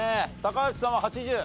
橋さんは８０？